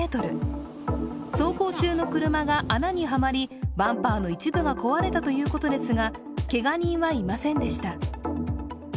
走行中の車が穴にはまりバンパーの一部が壊れたということですがけが人はいませんでした。